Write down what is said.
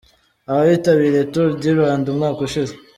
Abitabiriye Tour du Rwanda umwaka ushize.